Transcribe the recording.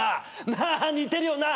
なあ似てるよな？